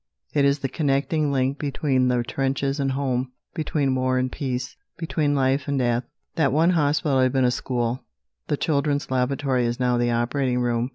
It is the connecting link between the trenches and home, between war and peace, between life and death. That one hospital had been a school. The children's lavatory is now the operating room.